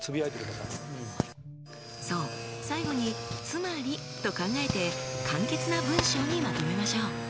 最後に「つまり」と考えて簡潔な文章にまとめましょう。